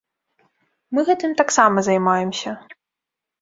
Мы гэтым таксама займаемся.